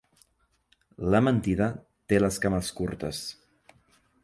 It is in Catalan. La mentida té les cames curtes.